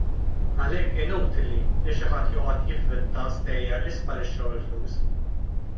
Għalhekk inutli li xi ħadd joqgħod jivvinta stejjer li sparixxew il-flus.